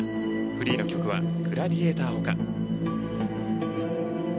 フリーの曲は「グラディエーター」ほか。